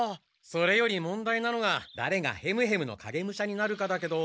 それより問題なのがだれがヘムヘムの影武者になるかだけど。